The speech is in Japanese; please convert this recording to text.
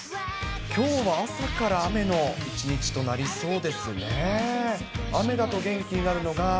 きょうは朝から雨の一日となりそうですね。